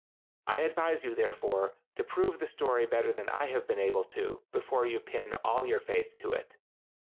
I advise you, therefore, to prove the story better than I have been able to do, before you pin all your faith to it.